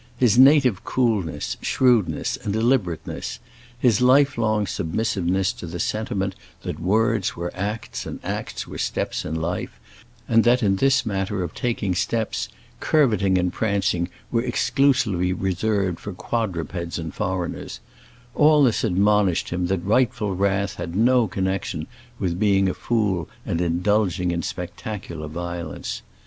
His native coolness, shrewdness, and deliberateness, his life long submissiveness to the sentiment that words were acts and acts were steps in life, and that in this matter of taking steps curveting and prancing were exclusively reserved for quadrupeds and foreigners—all this admonished him that rightful wrath had no connection with being a fool and indulging in spectacular violence.